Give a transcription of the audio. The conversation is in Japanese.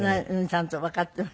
ちゃんとわかっていました。